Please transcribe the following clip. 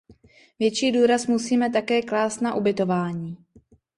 Větší důraz musíme také klást na ubytování.